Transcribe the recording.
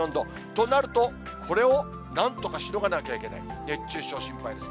となると、これをなんとかしのがなきゃいけない、熱中症心配です。